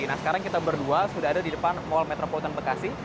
nah sekarang kita berdua sudah ada di depan mall metropolitan bekasi